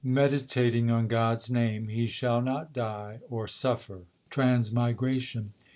Meditating on God s name, He shall not die or suffer transmigration.